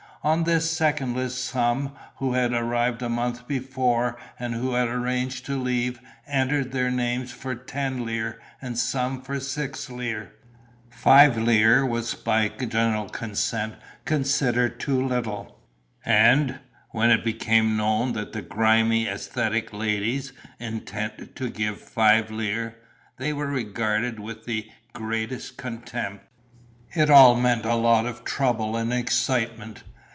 On this second list some, who had arrived a month before and who had arranged to leave, entered their names for ten lire and some for six lire. Five lire was by general consent considered too little; and, when it became known that the grimy æsthetic ladies intended to give five lire, they were regarded with the greatest contempt. It all meant a lot of trouble and excitement.